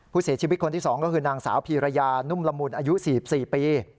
ผู้เสียชีวิตคนที่๒ก็คือนางสาวพีรยานุ่มละมุนอายุ๔๔ปี